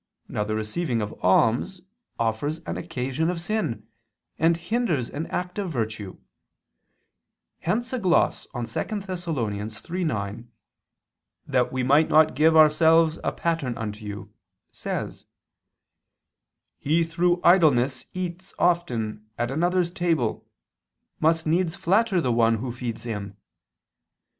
Now the receiving of alms offers an occasion of sin, and hinders an act of virtue; hence a gloss on 2 Thess. 3:9, "That we might give ourselves a pattern unto you," says: "He who through idleness eats often at another's table, must needs flatter the one who feeds him."